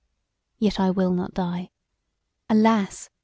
Yet I will not die; alas!